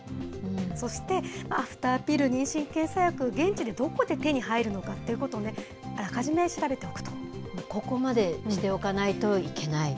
そして、アフターピル、妊娠検査薬、現地でどこで手に入るのかっていうことをね、ここまでしておかないといけない。